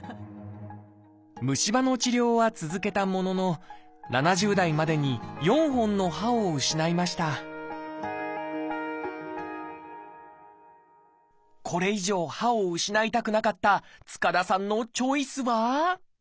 虫歯の治療は続けたものの７０代までにこれ以上歯を失いたくなかった塚田さんのチョイスは？